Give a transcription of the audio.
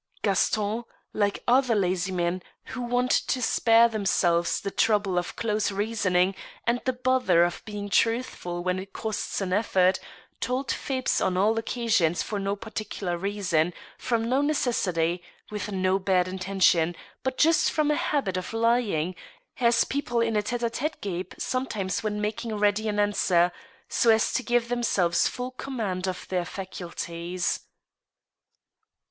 Gaston, like other lazy men who want to spare themselves the trouble ^of close reasoning and the bother of being truthful when it costs an effort, told fibs on all occasions for no particular reason, from no necessity, with no bad intention, but just from a habit of l5ring, as people in a tete^h tite gape sometimes when making ready an answer, so as to give themselves full command of their faculties.